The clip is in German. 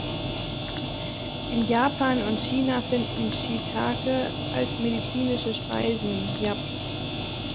In Japan und China finden Shiitake als medizinische Speisen, jap.